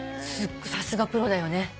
さすがプロだよね。